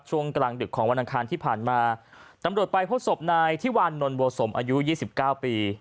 ช่วงกลางดึกของวันอังคารที่ผ่านมาตำรวจไปพบศพนายที่วันนนบัวสมอายุยี่สิบเก้าปี